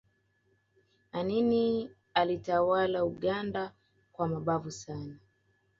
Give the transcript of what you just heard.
anini alitawala uganda kwa mabavu sana